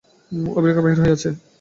অভিসারিকা বাহির হইয়াছে।